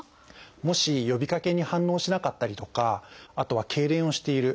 もし呼びかけに反応しなかったりとかあとはけいれんをしてる。